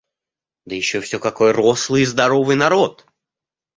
Да еще всё какой рослый и здоровый народ!